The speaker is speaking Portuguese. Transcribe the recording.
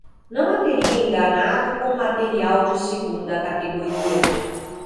não a teria enganado com material de segunda categoria.